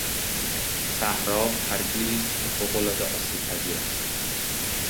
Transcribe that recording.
صحرا پرگیری است که فوقالعاده آسیبپذیر است.